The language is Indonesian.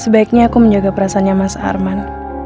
sebaiknya aku menjaga perasaannya mas arman